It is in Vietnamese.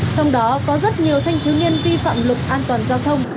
trong đó có rất nhiều